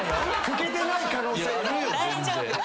・拭けてない可能性が。